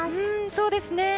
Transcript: そうですね。